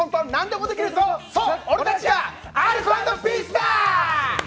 そう、俺たちがアルコ＆ピースだ！